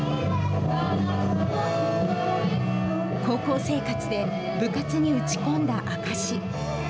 高校生活で部活に打ち込んだ証し。